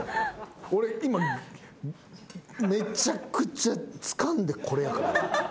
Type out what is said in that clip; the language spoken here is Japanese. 俺今めちゃくちゃつかんでこれやから。